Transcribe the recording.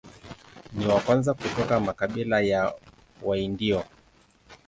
Ni wa kwanza kutoka makabila ya Waindio.